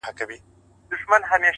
ته له قلف دروازې یو خروار بار باسه